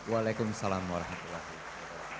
waalaikumsalam warahmatullahi wabarakatuh